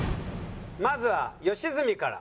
まずは吉住から。